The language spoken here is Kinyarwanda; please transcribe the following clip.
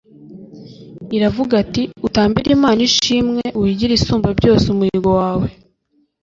Iravuga ati, “Utambire Imana ishimwe, Uhigire Isumba byose umuhigo wawe.